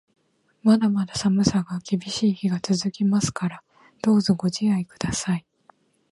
まだまだ寒さが厳しい日が続きますから、どうかご自愛ください。